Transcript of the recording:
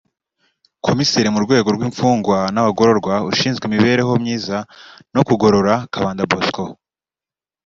Komiseri mu rwego rw’imfungwa n’abagororwa ushinzwe imibereho myiza no kugorora Kabanda Bosco